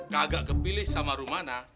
kaga kepilih sama rumana